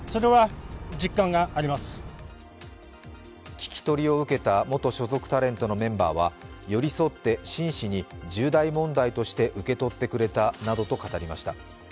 聞き取りを受けた元所属タレントのメンバーは寄り添って真摯に重大問題として受け取ってくれたなどと語りました。